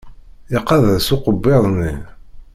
Iqadd-as ukebbiḍ-nni?